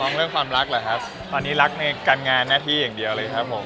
เรื่องความรักเหรอครับตอนนี้รักในการงานหน้าที่อย่างเดียวเลยครับผม